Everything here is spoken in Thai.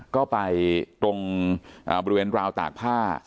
ก็ไปตรงบริเวณราวตากผ้า